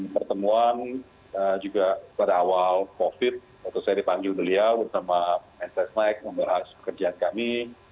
pertemuan juga pada awal covid waktu saya dipanggil beliau bersama ssnek membahas pekerjaan kami